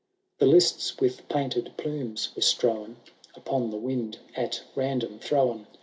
The lists with painted plumes were strown. Upon the wind at random thrown.